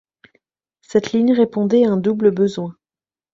Cette ligne répondait à un double besoin.